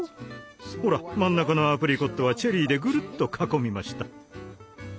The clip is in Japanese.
ほら真ん中のアプリコットはチェリーでぐるっと囲みました。